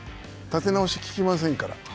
立て直しがききませんから。